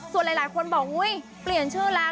ส่วนหลายคนบอกอุ๊ยเปลี่ยนชื่อแล้ว